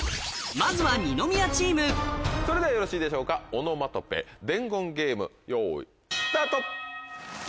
まずは二宮チームそれではよろしいでしょうかオノマトペ伝言ゲーム用意。